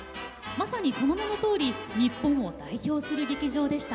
まさにその名のとおり日本を代表する劇場でした。